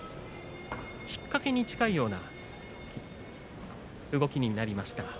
引っ掛けに近いような動きになりました。